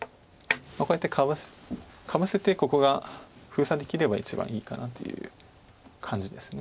こうやってかわせてここが封鎖できれば一番いいかなという感じです。